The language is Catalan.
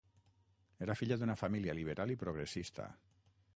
Era filla d'una família liberal i progressista.